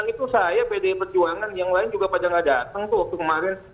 yang itu saya bdi perjuangan yang lain juga pada nggak datang tuh kemarin